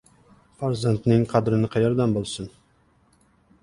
Farzandning qadrini qayerdan bilsin?